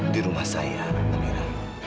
di rumah saya amira